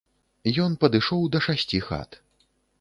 Ён падышоў да шасці хат.